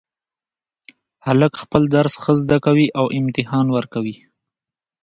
هلک خپل درس ښه زده کوي او امتحان ورکوي